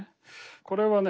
これはね